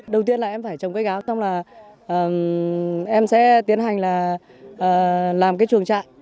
đầu tiên là em phải trồng cây gáo xong là em sẽ tiến hành là làm cái trường trạng